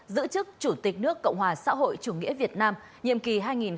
giữ chức chủ tịch nước cộng hòa xã hội chủ nghĩa việt nam nhiệm kỳ hai nghìn hai mươi một hai nghìn hai mươi sáu